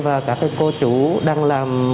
và các cô chú đang làm